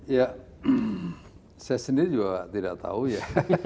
ya saya sendiri juga tidak tahu ya